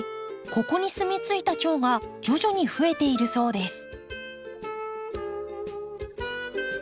ここに住み着いたチョウが徐々に増えているそうです。